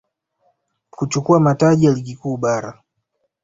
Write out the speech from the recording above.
kuchukua mataji ya Ligi Kuu Bara